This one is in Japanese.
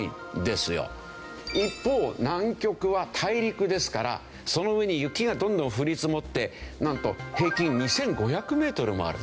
一方南極は大陸ですからその上に雪がどんどん降り積もってなんと平均２５００メートルもある。